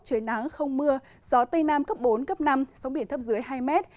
trời nắng không mưa gió tây nam cấp bốn cấp năm sóng biển thấp dưới hai mét